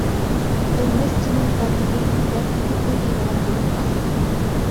«ئۆلمەس جېنىم بارمىدى» دەپ كۆپ ئويلايدىغان بولۇپ قالدى.